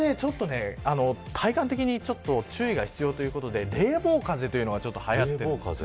体感的に注意が必要ということで冷房風邪がはやっているんです。